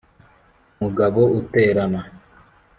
Mugabo uterana